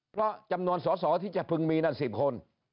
เพราะจำนวนสอสอที่จะพึงมีนั่น๑๐คน